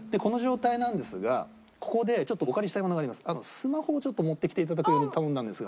スマホをちょっと持ってきていただくように頼んだんですが。